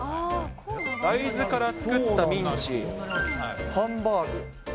大豆から作ったミンチ、ハンバーグ。